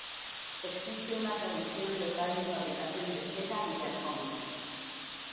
Existe una tradición local de fabricación de seda y de alfombras.